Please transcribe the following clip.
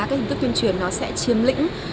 cái hình thức tuyên truyền nó sẽ chiếm lĩnh